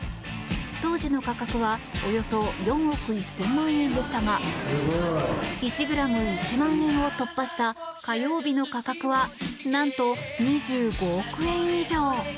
当時の価格は、およそ４億１０００万円でしたが１ｇ＝１万円を突破した火曜日の価格は何と２５億円以上。